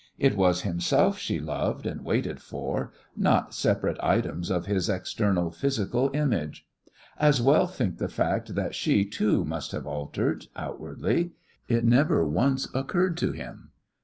It was himself she loved and waited for, not separate items of his external, physical image." As well think of the fact that she, too, must have altered outwardly. It never once occurred to him.